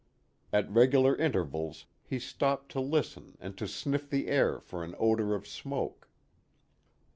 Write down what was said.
At regular intervals he stopped to listen and to sniff the air for an odor of smoke.